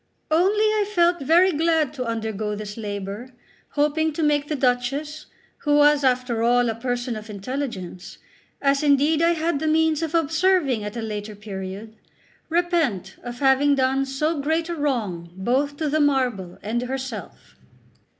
Only I felt very glad to undergo this labour, hoping to make the Duchess, who was after all a person of intelligence, as indeed I had the means of observing at a later period, repent of having done so great a wrong both to the marble and herself.